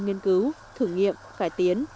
nghiên cứu thử nghiệm cải tiến